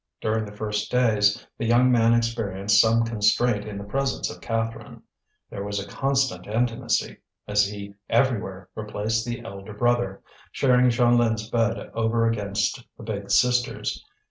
During the first days, the young man experienced some constraint in the presence of Catherine. There was a constant intimacy, as he everywhere replaced the elder brother, sharing Jeanlin's bed over against the big sister's.